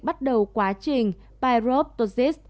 bắt đầu quá trình paroptosis